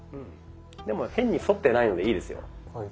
でも変に反ってないのでいいですよ。